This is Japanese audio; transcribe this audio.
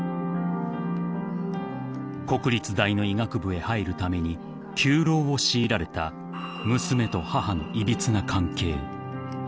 ［国立大の医学部へ入るために９浪を強いられた娘と母のいびつな関係］